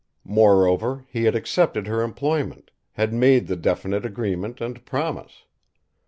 Moreover, he had accepted her employment, had made the definite agreement and promise.